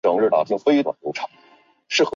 弓形是一个非正式用语。